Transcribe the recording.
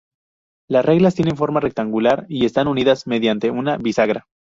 Las reglas tienen forma rectangular y están unidas mediante una bisagra.